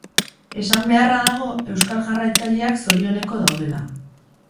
Esan beharra dago euskal jarraitzaileak zorioneko daudela.